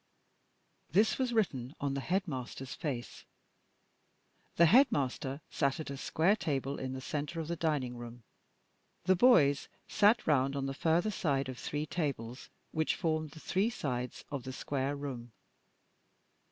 This was written on the headmaster's face. The headmaster sat at a square table in the centre of the dining room. The boys sat round on the further side of three tables which formed the three sides of the square room.